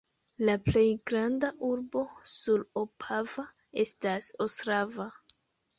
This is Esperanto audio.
La plej granda urbo sur Opava estas Ostrava.